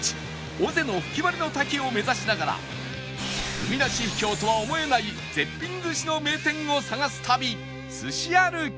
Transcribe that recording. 尾瀬の吹割の滝を目指しながら海なし秘境とは思えない絶品寿司の名店を探す旅すし歩き